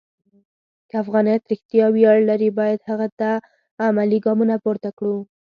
که افغانیت رښتیا ویاړ لري، باید هغه ته عملي ګامونه پورته کړو.